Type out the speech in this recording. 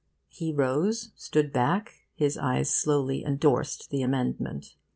He rose, stood back, his eyes slowly endorsed the amendment.